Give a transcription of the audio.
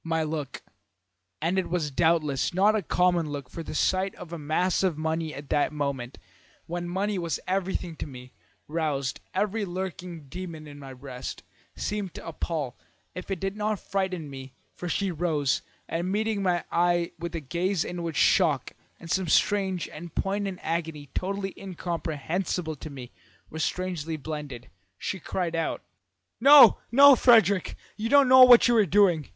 "My look (and it was doubtless not a common look, for the sight of a mass of money at that moment, when money was everything to me, roused every lurking demon in my breast) seemed to appall, if it did not frighten her, for she rose, and meeting my eye with a gaze in which shock and some strange and poignant agony totally incomprehensible to me were strangely blended, she cried out: "'No, no, Frederick! You don't know what you are doing.